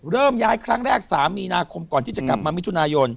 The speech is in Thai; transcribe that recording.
เริ่มย้ายครั้งแรก๓มีนาคมก่อนที่จะกลับมามิถุนายน